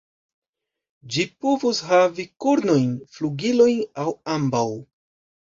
Ĝi povus havi kornojn, flugilojn, aŭ ambaŭ.